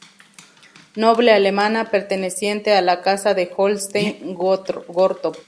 Noble alemana, perteneciente a la Casa de Holstein-Gottorp.